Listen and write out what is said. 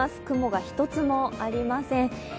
雲が一つもありません。